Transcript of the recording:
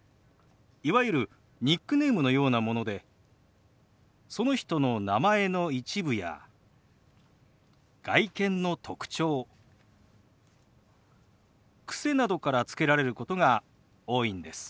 いわゆるニックネームのようなものでその人の名前の一部や外見の特徴癖などからつけられることが多いんです。